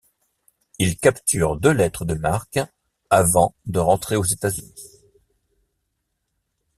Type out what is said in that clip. Ils capturent deux lettres de marque, avant de rentrer aux États-Unis.